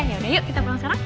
yaudah yuk kita pulang sekarang